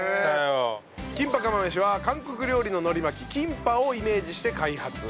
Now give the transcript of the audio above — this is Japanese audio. キンパ釜飯は韓国料理の海苔巻きキンパをイメージして開発。